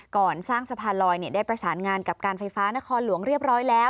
ก่อนสร้างสะพานลอยได้ประสานงานกับการไฟฟ้านครหลวงเรียบร้อยแล้ว